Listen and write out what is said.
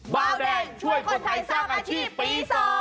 เบาแดงช่วยคนไทยสร้างอาชีพปี๒